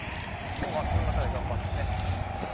でもその中で頑張ってね。